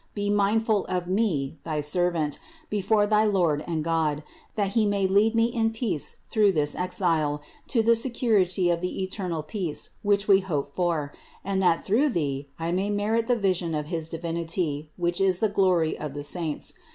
Be mindful of me, thy servant, before thy Lord and God, that He may lead me in peace through this exile to the security of the eternal peace which we hope for, and that through thee I may merit the vision of his Divinity, which is the glory of the saints.